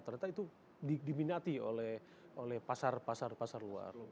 ternyata itu diminati oleh pasar pasar luar